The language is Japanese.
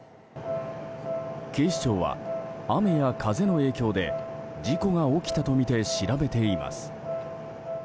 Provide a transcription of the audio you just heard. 警視庁は雨や風の影響で事故が起きたとみて調べています。